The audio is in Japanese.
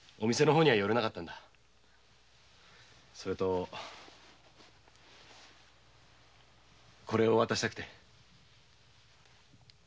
それとこれを渡したくて。